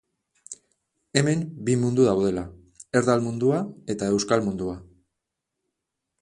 Hemen bi mundu daudela: erdal mundua eta euskal mundua